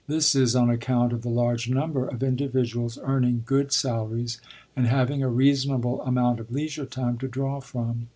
This is on account of the large number of individuals earning good salaries and having a reasonable amount of leisure time to draw from.